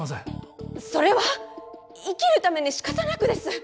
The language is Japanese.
それは生きるためにしかたなくです。